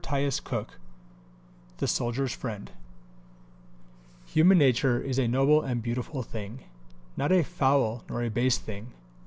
CHAPTER XI THE SOLDIERS' FRIEND Human nature is a noble and beautiful thing; not a foul nor a base thing.